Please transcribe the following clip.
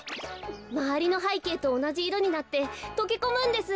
まわりのはいけいとおなじいろになってとけこむんです。